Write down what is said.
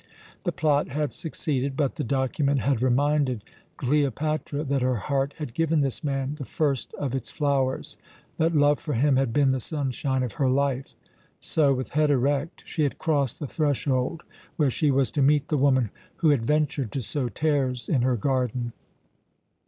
The plot had succeeded, but the document had reminded Cleopatra that her heart had given this man the first of its flowers, that love for him had been the sunshine of her life. So, with head erect, she had crossed the threshold where she was to meet the woman who had ventured to sow tares in her garden.